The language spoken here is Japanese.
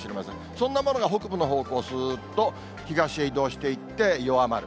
そんなものが北部の方向、すーっと東へ移動していって、弱まる。